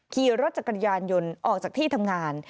ขี่รถจักรยานยนต์ออกจากที่ทำงาน